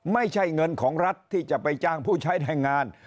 ไม่ใช่เงินของรัฐที่จะไปจ้างผู้ใช้แรงงาน